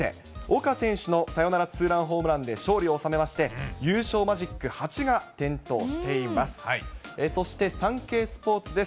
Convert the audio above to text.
岡選手のサヨナラツーランホームランで勝利を収めまして、優勝マジック８が点灯しています。